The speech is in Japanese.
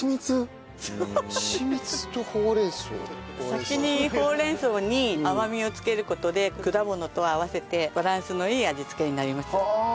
先にほうれん草に甘みを付ける事で果物と合わせてバランスのいい味付けになります。